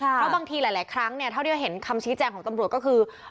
เพราะบางทีหลายครั้งเนี่ยเท่าที่เห็นคำชี้แจงของตำรวจก็คือ